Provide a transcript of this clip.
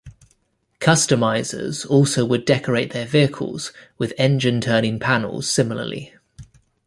Customizers also would decorate their vehicles with engine-turning panels similarly.